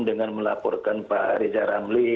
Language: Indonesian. dengan melaporkan pak riza ramli